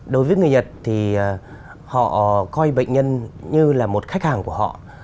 đối với người nhật thì họ coi bệnh nhân như là một khách hàng của họ